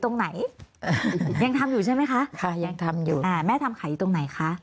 แม่ทำขายอยู่ตรงไหนคะ